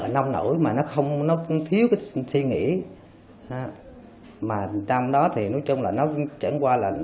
nói chung là nó chuyển qua là